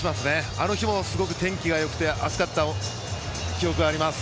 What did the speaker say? あの日も、すごい天気がよくて暑かった記憶があります。